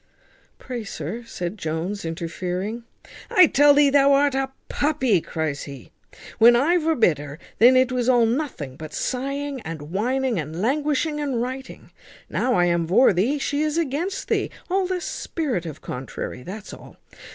"Pray, sir," said Jones, interfering "I tell thee thou art a puppy," cries he. "When I vorbid her, then it was all nothing but sighing and whining, and languishing and writing; now I am vor thee, she is against thee. All the spirit of contrary, that's all.